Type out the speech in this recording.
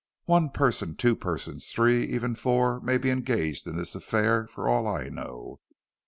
One person, two persons, three, even four may be engaged in this affair for all I know.